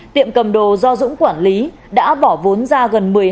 tiệm cầm đồ do dũng quản lý đã bỏ vốn ra gần